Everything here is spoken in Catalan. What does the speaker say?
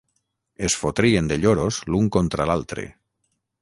Es fotrien de lloros l'un contra l'altre.